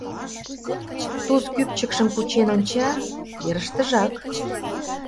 Туз кӱпчыкшым кучен онча: верыштыжак!